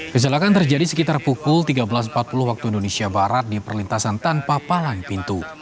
kecelakaan terjadi sekitar pukul tiga belas empat puluh waktu indonesia barat di perlintasan tanpa palang pintu